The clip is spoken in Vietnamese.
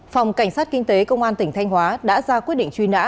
phòng cảnh sát kinh tế công an tỉnh thanh hóa đã ra quyết định truy nã